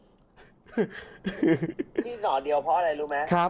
บอกว่ามีทีมสามทีมนะที่เข้าไปพูดคุยกับคนบนเรือทั้งห้าคนนะครับ